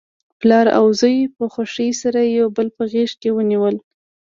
پلار او زوی په خوښۍ سره یو بل په غیږ کې ونیول.